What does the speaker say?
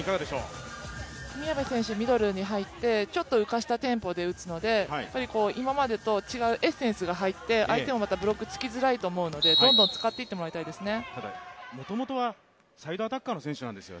宮部選手、ミドルに入って、ちょっと浮かしたテンポで打つので今までと違うエッセンスが入って相手もまたブロックにつきづらいと思いますので、どんどん使っていっていただきたいと思います。